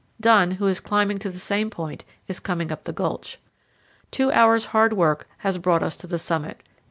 Dunn, who is climbing to the same point, is coming up the gulch. Two hours' hard work has brought us to the summit.